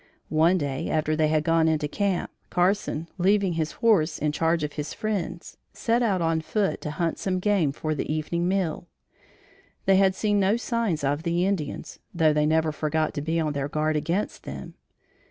One day, after they had gone into camp, Carson, leaving his horse in charge of his friends, set out on foot to hunt some game for their evening meal. They had seen no signs of Indians, though they never forgot to be on their guard against them.